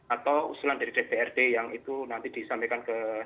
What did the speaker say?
atau usulan dari dprd yang itu nanti disampaikan ke